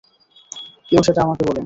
কেউ সেটা আমাকে বলে নি।